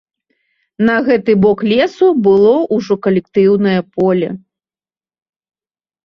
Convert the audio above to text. На гэты бок лесу было ўжо калектыўнае поле.